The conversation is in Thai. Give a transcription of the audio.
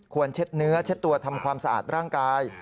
เช็ดเนื้อเช็ดตัวทำความสะอาดร่างกาย